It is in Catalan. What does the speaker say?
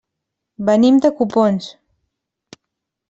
Venim de Copons.